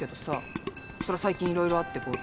そりゃ最近いろいろあってこう。